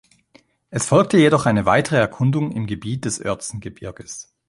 Es folgte jedoch eine weitere Erkundung im Gebiet des Oertzen-Gebirges.